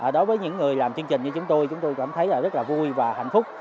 đối với những người làm chương trình như chúng tôi chúng tôi cảm thấy rất là vui và hạnh phúc